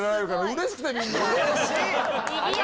うれしい！